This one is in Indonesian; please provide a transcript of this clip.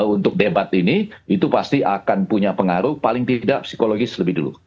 untuk debat ini itu pasti akan punya pengaruh paling tidak psikologis lebih dulu